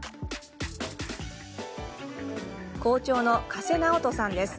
校長の加瀬直人さんです。